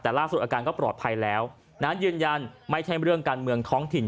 แต่ล่าสุดอาการก็ปลอดภัยแล้วนะยืนยันไม่ใช่เรื่องการเมืองท้องถิ่น